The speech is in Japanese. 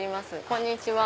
こんにちは。